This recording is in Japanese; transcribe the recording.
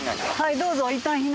どうぞ。